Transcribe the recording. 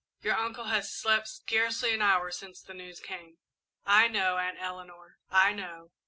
Your uncle has slept scarcely an hour since the news came." "I know, Aunt Eleanor, I know."